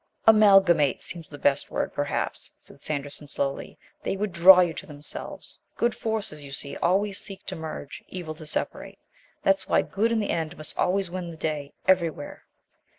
"'Amalgamate' seems the best word, perhaps," said Sanderson slowly. "They would draw you to themselves. Good forces, you see, always seek to merge; evil to separate; that's why Good in the end must always win the day everywhere.